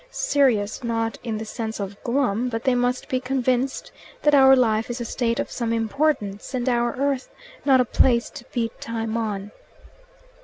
Serious not in the sense of glum; but they must be convinced that our life is a state of some importance, and our earth not a place to beat time on.